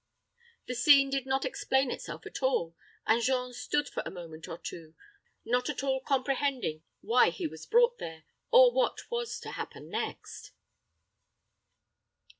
The scene did not explain itself at all, and Jean stood for a moment or two, not at all comprehending why he was brought there, or what was to happen next.